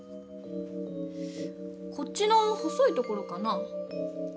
こっちの細いところかな？